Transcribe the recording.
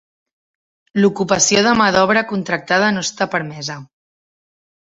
L'ocupació de mà d'obra contractada no està permesa.